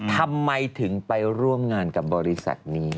ทำไมถึงไปร่วมงานกับบริษัทนี้